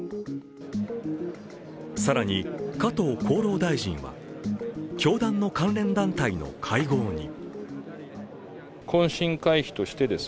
更に、加藤厚労大臣は教団の関連団体の会合に。